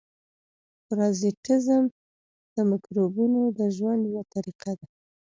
پرازیتېزم د مکروبونو د ژوند یوه طریقه ده.